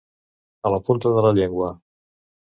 A la punta de la llengua.